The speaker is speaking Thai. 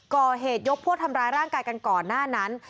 ก่อเหตุยกพวกทำร้ายร่างกายกันก่อนหน้านั้น